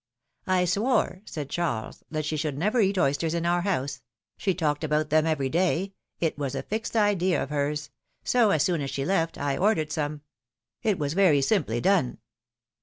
swore," said Charles, ^'that she should never eat oysters in our house; she talked about them every day; it was a fixed idea of hers ; so, as soon as she left, I ordered some. It was very simply done."